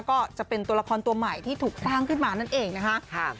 ก็จะเป็นตัวละครตัวใหม่ที่ถูกสร้างขึ้นมานั่นเองนะคะ